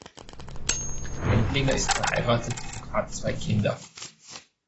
Wendlinger ist verheiratet und hat zwei Kinder.